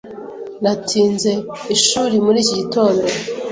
Natinze ishuri muri iki gitondo.